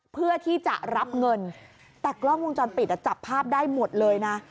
เพื่อที่จะรับเงินแต่กล้องวงจรปิดอ่ะจับภาพได้หมดเลยนะ